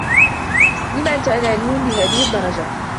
لم أنت أناني لهذه الدّرجة؟